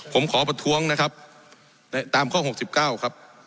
ผมขอประท้วงนะครับตามข้อ๖๙ครับ